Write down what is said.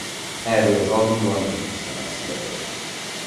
Erről az albumról négy kislemez született.